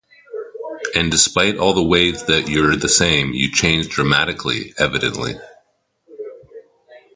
And despite all the ways that you're the same, you changed dramatically, evidently.